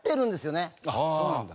あっそうなんだ。